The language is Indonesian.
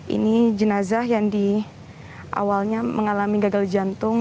ini jenazah yang di awalnya mengalami gagal jantung